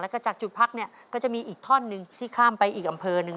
แล้วก็จากจุดพักเนี่ยก็จะมีอีกท่อนหนึ่งที่ข้ามไปอีกอำเภอหนึ่ง